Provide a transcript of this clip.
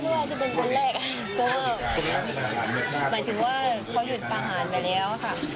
หมายถึงว่าพอหยุดประหารไปแล้วค่ะ